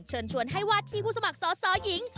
เชิญชวนให้วาดที่ผู้สมัครสอสอหญิง